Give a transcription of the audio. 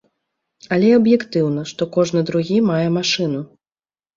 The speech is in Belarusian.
Але аб'ектыўна, што кожны другі мае машыну.